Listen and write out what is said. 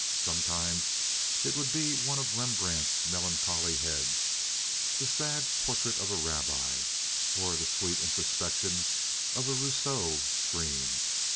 Sometimes it would be one of Rembrandt's melancholy heads—the sad "Portrait of a Rabbi"—or the sweet introspection of a Rousseau stream.